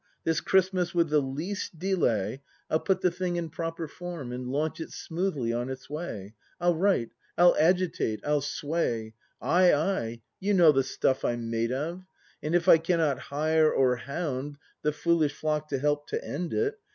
This Christmas with the least delay ACT IV] BRAND I'll put the thing in proper form. And launch it smoothly on its way. I'll write, I'll agitate, I'll sway! Ay, ay— you know the stuff I'm made of! And if I cannot hire or hound The foolish flock to help to end it.